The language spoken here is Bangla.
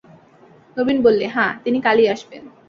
নবীন বললে, হাঁ, তিনি কালই আসবেন।